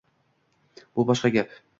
Bu boshqa gap